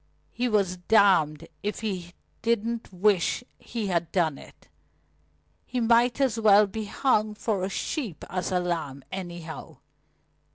He was damned if he didn't wish he had done it. He might as well be hung for a sheep as a lamb, anyhow.